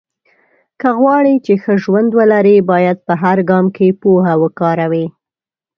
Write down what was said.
که غواړې چې ښه ژوند ولرې، باید په هر ګام کې پوهه وکاروې.